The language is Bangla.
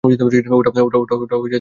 ওটা ওয়েস্টার্ন ছিল না।